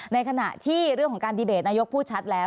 ในขณะที่เรื่องของการดีเบตนายกพูดชัดแล้ว